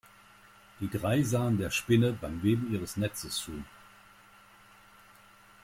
Die drei sahen der Spinne beim Weben ihres Netzes zu.